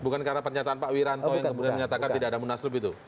bukan karena pernyataan pak wiranto yang kemudian menyatakan tidak ada munaslup itu